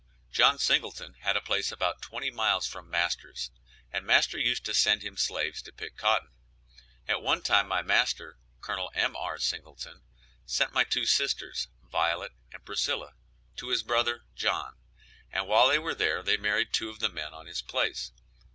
John Singleton had a place about twenty miles from master's, and master used to send him slaves to pick cotton. At one time my master, Col. M.R. Singleton, sent my two sisters, Violet and Priscilla, to his brother John, and while they were there they married two of the men on his place.